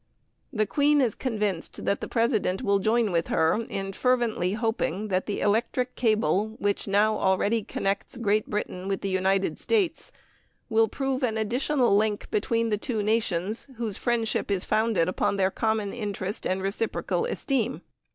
The Queen is convinced that the President will join with her in fervently hoping that the electric cable, which now already connects Great Britain with the United States, will prove an additional link between the two nations, whose friendship is founded upon their common interest and reciprocal esteem.